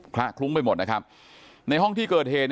ละคลุ้งไปหมดนะครับในห้องที่เกิดเหตุ